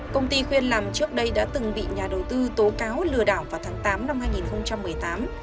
công ty khuyên làm trước đây đã từng bị nhà đầu tư tố cáo lừa đảo vào tháng tám năm hai nghìn một mươi tám